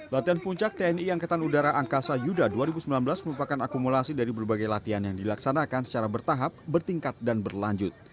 latihan puncak tni angkatan udara angkasa yuda dua ribu sembilan belas merupakan akumulasi dari berbagai latihan yang dilaksanakan secara bertahap bertingkat dan berlanjut